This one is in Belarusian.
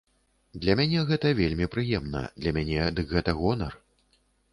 Мне гэта вельмі прыемна, для мяне дык гэта гонар.